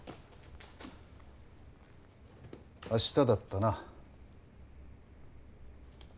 あしただったな。